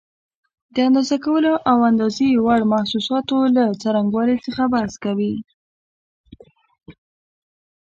د اندازه کولو او د اندازې وړ محسوساتو له څرنګوالي څخه بحث کوي.